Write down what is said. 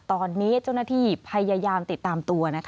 ตอนนี้เจ้าหน้าที่พยายามติดตามตัว